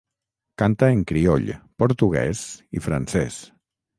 Canta en crioll, portuguès i francès.